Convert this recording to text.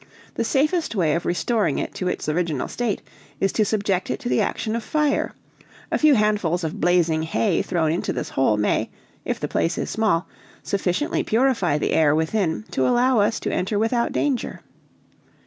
The safest way of restoring it to its original state is to subject it to the action of fire, a few handfuls of blazing hay thrown into this hole may, if the place is small, sufficiently purify the air within to allow us to enter without danger."